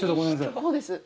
こうです。